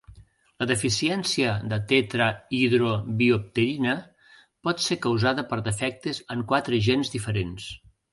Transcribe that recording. La deficiència de tetrahidrobiopterina pot ser causada per defectes en quatre gens diferents.